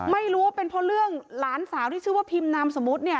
ไม่รู้ว่าเป็นเพราะเรื่องหลานสาวที่ชื่อว่าพิมพ์นามสมมุติเนี่ย